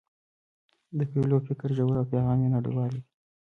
د کویلیو فکر ژور او پیغام یې نړیوال دی.